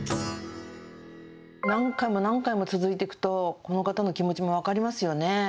何回も何回も続いていくと、この方の気持ちも分かりますよね。